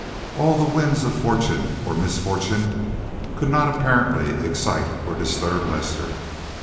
All the winds of fortune or misfortune could not apparently excite or disturb Lester.